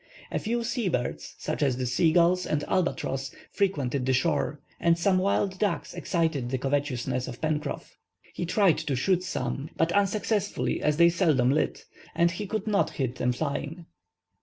A few sea birds, such as the sea gulls and albatross, frequented the shore, and some wild ducks excited the covetousness of Pencroff. He tried to shoot some, but unsuccessfully, as they seldom lit, and he could not hit them flying.